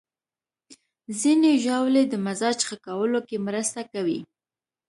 ځینې ژاولې د مزاج ښه کولو کې مرسته کوي.